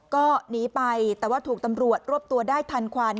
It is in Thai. ก็หนีไปแต่ว่าถูกตำรวจรวบตัวได้ทันควัน